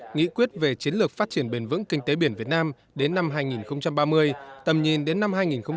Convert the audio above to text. nghị quyết về chiến lược phát triển bền vững kinh tế biển việt nam đến năm hai nghìn ba mươi tầm nhìn đến năm hai nghìn bốn mươi năm